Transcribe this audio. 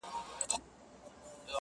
o تا چي نن په مينه راته وكتل ـ